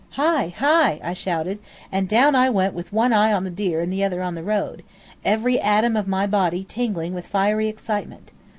"Hi! Hi!" I shouted, and down I went with one eye on the deer and the other on the road, every atom of my body tingling with fiery excitement.